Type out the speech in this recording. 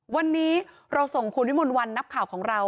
วันนี้เราส่งคุณวิมลวันนักข่าวของเรา